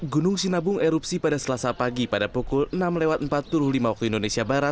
gunung sinabung erupsi pada selasa pagi pada pukul enam empat puluh lima wib